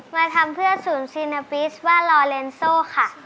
มาทำเพื่อธุ์ลซีนิปิชว่าลอเรนโซค่ะ